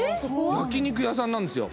焼肉屋さんなんですよ